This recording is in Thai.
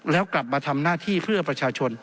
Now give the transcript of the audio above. แล้วกลับมาทำหน้าที่เพื่อประชาชน